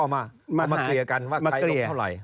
มาเกลี่ยกันมาไกลลงเท่าไหร่